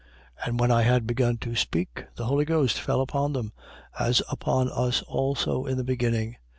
11:15. And when I had begun to speak, the Holy Ghost fell upon them, as upon us also in the beginning.